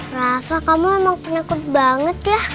rasa kamu emang penakut banget ya